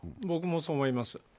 僕もそう思います。